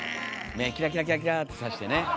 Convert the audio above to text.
目キラキラキラキラってさしてね。